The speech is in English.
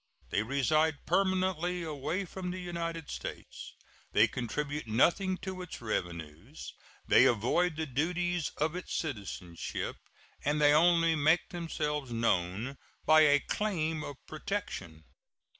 They reside permanently away from the United States, they contribute nothing to its revenues, they avoid the duties of its citizenship, and they only make themselves known by a claim of protection.